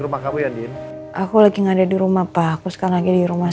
rumah kamu yang di aku lagi nggak ada di rumah pak aku sekali lagi di rumah